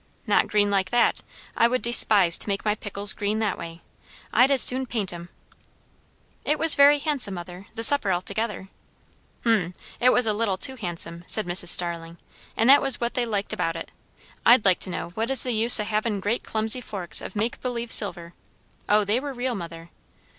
"Not green like that. I would despise to make my pickles green that way. I'd as soon paint 'em." "It was very handsome, mother, the supper altogether." "Hm! It was a little too handsome," said Mrs. Starling, "and that was what they liked about it. I'd like to know what is the use o' having great clumsy forks of make believe silver" "O, they were real, mother."